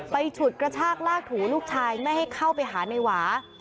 ฉุดกระชากลากถูลูกชายไม่ให้เข้าไปหาในหวา